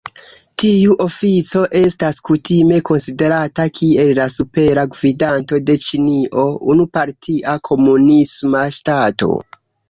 Tiu ofico estas kutime konsiderata kiel la Supera Gvidanto de Ĉinio, unu-partia komunisma ŝtato.